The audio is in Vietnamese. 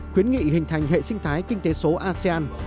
khuyến nghị hình thành hệ sinh thái kinh tế số asean